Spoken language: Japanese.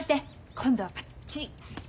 今度はばっちり。